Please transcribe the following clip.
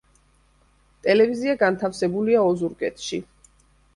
ტელევიზია განთავსებულია ოზურგეთში.